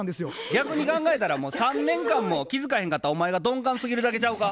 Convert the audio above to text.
逆に考えたらもう３年間も気付かへんかったお前が鈍感すぎるだけちゃうか？